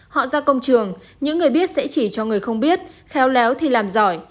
họ ra công trường những người biết sẽ chỉ cho người không biết khéo léo thì làm giỏi